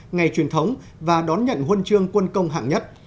ngày truyền thống và đón nhận huân chương quân công hạng nhất